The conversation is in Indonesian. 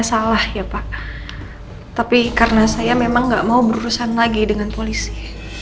salah ya pak tapi karena saya memang nggak mau berurusan lagi dengan polisi